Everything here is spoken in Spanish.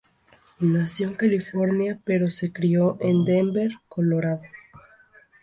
Nació en California pero se crio en Denver, Colorado.